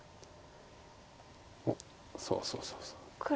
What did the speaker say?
おっそうそうそうそう。